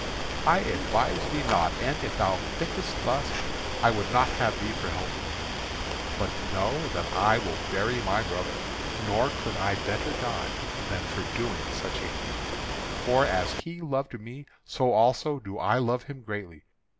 "I advise thee not, and, if thou thinkest thus, I would not have thee for helper. But know that I will bury my brother, nor could I better die than for doing such a deed. For as he loved me, so also do I love him greatly.